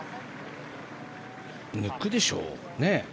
抜くでしょうね。